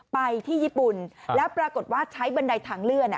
ไปที่ญี่ปุ่นแล้วปรากฏว่าใช้บันไดทางเลื่อน